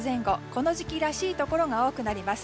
この時期らしいところが多くなります。